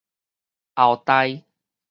後代